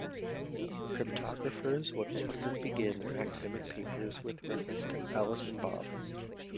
Cryptographers would often begin their academic papers with reference to Alice and Bob.